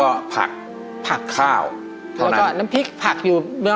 แล้วก็ผักผักข้าวเท่านั้นแล้วก็น้ำพริกผักอยู่นี่หอแหม